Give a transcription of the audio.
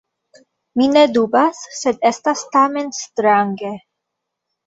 Mi ne dubas, sed estas tamen strange.